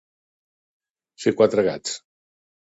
Ser quatre gats.